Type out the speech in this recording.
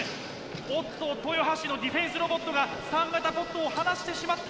おっと豊橋のディフェンスロボットが３型ポットを離してしまった。